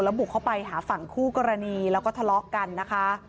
บุกเข้าไปหาฝั่งคู่กรณีแล้วก็ทะเลาะกันนะคะ